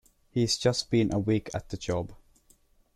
He’s just been a week at the job.